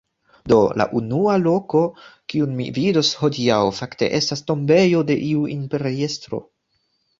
Do, la unua loko, kiun mi vidos hodiaŭ fakte estas tombejo de iu imperiestro